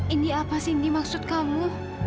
ini apa sih ini maksud kamu